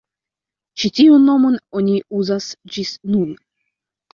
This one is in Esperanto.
Ĉi tiun nomon oni uzas ĝis nun.